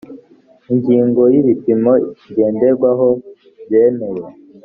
ingingo y’ ibipimo ngenderwaho byemewe